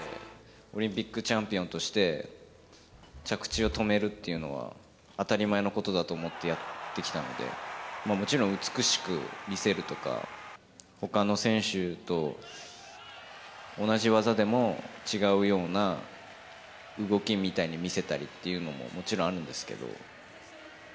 オリンピックチャンピオンとして、着地を止めるっていうのは当たり前のことだと思ってやってきたので、もちろん美しく見せるとか、ほかの選手と同じ技でも違うような動きみたいに見せたりっていうのももちろんあるんですけど。